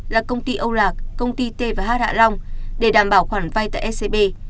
là công ty âu lạc công ty t và h hạ long để đảm bảo khoản vay tại scb